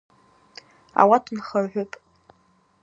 Ауат нхагӏвыпӏ.